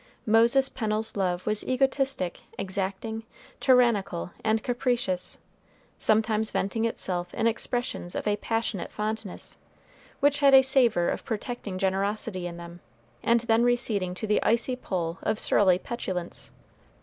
Moses Pennel's love was egotistic, exacting, tyrannical, and capricious sometimes venting itself in expressions of a passionate fondness, which had a savor of protecting generosity in them, and then receding to the icy pole of surly petulance.